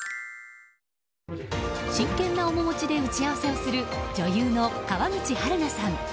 真剣な面持ちで打ち合わせをする女優の川口春奈さん。